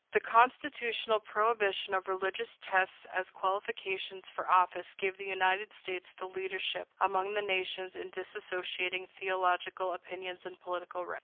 The constitutional prohibition of religious tests as qualifications for office gave the United States the leadership among the nations in dissociating theological opinions and political rights.